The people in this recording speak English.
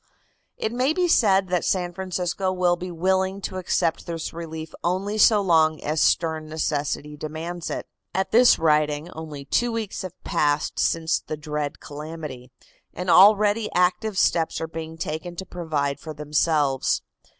It may be said that San Francisco will be willing to accept this relief only so long as stern necessity demands it. At this writing only two weeks have passed since the dread calamity, and already active steps are being taken to provide for themselves.